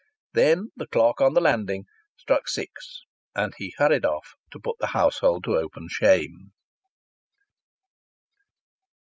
Then the clock on the landing struck six and he hurried off to put the household to open shame.